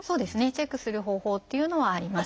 チェックする方法っていうのはあります。